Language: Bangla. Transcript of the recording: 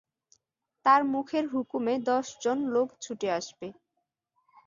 তার মুখের হুকুমে দশজন লোক ছুটে আসবে।